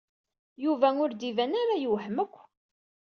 Yuba ur d-iban ara yewhem akk.